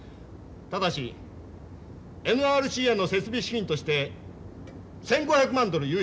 ただしＮＲＣへの設備資金として１，５００万ドル融資してもらいたい。